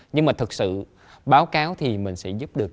nhưng mà thực sự báo cáo thì mình sẽ giúp được